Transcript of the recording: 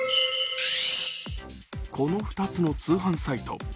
この２つの通販サイト。